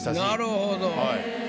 なるほど。